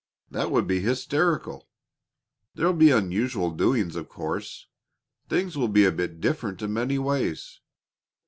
That would be hysterical. There'll be unusual doings, of course. Things will be a bit different in many ways.